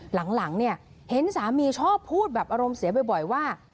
หลังเนี่ยเห็นสามีชอบพูดแบบอารมณ์เสียบ่อยว่า